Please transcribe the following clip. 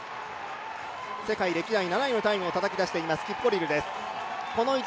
世界歴代７位のタイムをたたき出しています、キプコリルです。